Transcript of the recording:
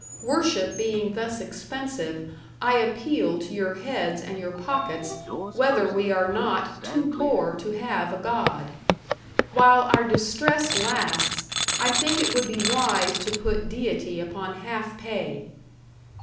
Worship being thus expensive, I appeal to your heads and your pockets whether we are not too poor to have a God. While our distress lasts, I think it would be wise to put deity upon half pay."